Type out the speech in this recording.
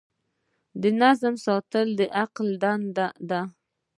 د نظم ساتل د عقل دنده ده.